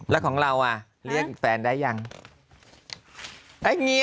แล้วของเราเรียกแฟนได้ยัง